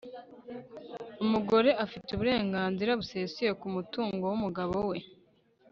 umugore afite uburenganzira busesuye ku mutungo w'umugabo we